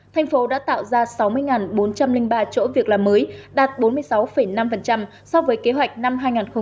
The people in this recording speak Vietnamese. thành phố đã tạo ra sáu mươi bốn trăm linh ba chỗ việc làm mới đạt bốn mươi sáu năm so với kế hoạch năm hai nghìn một mươi chín